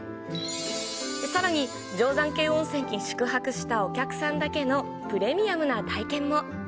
さらに、定山渓温泉に宿泊したお客さんだけのプレミアムな体験も。